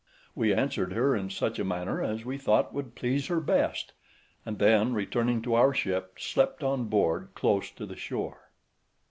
We answered her in such a manner as we thought would please her best; and then returning to our ship, slept on board close to the shore.